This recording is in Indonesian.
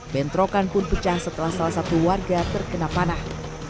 bentrokan pun pecah setelah salah satu warga terkena panah